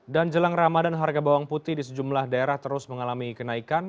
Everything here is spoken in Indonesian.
dan jelang ramadan harga bawang putih di sejumlah daerah terus mengalami kenaikan